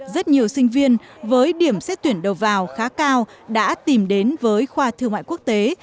rất nhiều sinh viên với điểm xét tuyển đầu vào khá cao đã tìm đến với khoa thương mại quốc tế